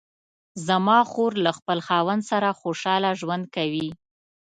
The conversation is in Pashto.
زما خور له خپل خاوند سره خوشحاله ژوند کوي